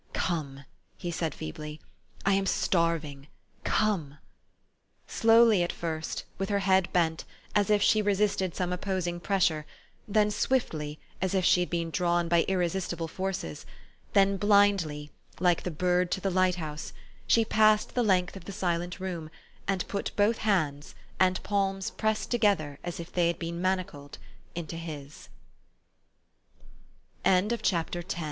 " Come," he said feebly, "I am starving. Come !" Slowly at first, with her head bent, as if she resisted some opposing pressure, then swiftly, as if she had been drawn by irresistible forces, then blindly, like the bird to the light house, she passed the length of the silent room, and put both hands, the palms pressed together as if they